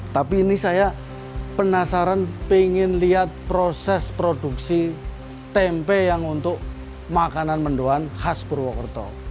tapi ini saya penasaran pengen lihat proses produksi tempe yang untuk makanan mendoan khas purwokerto